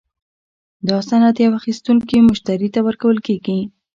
دا سند یو اخیستونکي مشتري ته ورکول کیږي.